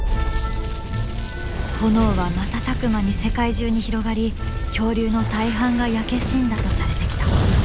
炎は瞬く間に世界中に広がり恐竜の大半が焼け死んだとされてきた。